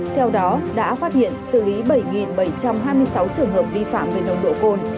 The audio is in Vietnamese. theo đó đã phát hiện xử lý bảy bảy trăm hai mươi sáu trường hợp vi phạm về nồng độ cồn